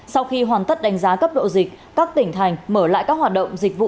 sau khi hoàn tất đánh giá cấp độ dịch các tỉnh thành mở lại các hoạt động dịch vụ